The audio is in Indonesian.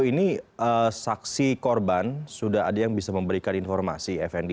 ini saksi korban sudah ada yang bisa memberikan informasi fnd